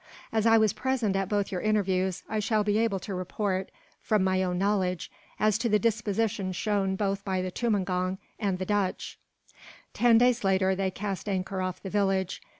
As I was present at both your interviews, I shall be able to report, from my own knowledge, as to the disposition shown both by the tumangong and the Dutch." Ten days later, they cast anchor off the village.